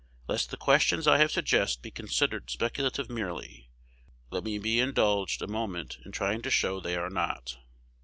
Lest the questions I here suggest be considered speculative merely, let me be indulged a moment in trying to show they are not.